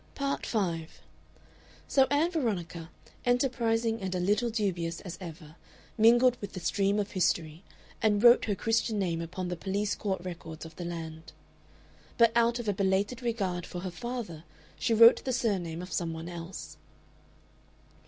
Part 5 So Ann Veronica, enterprising and a little dubious as ever, mingled with the stream of history and wrote her Christian name upon the police court records of the land. But out of a belated regard for her father she wrote the surname of some one else.